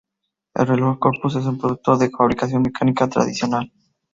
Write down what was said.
El Reloj Corpus es un producto de fabricación mecánica tradicional.